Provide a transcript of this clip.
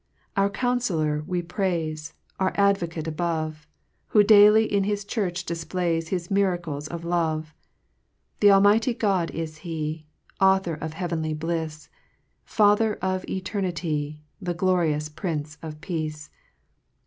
Our Counfellor we praifc, Our Advocate above, Who daily in his church difplays His miracles of love. 3 Th' Almighty God is he, Author of heavenly blifs, The Father of eternity, The glorious Prince of Peace